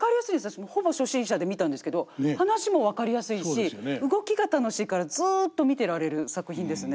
私ほぼ初心者で見たんですけど話も分かりやすいし動きが楽しいからずっと見てられる作品ですね。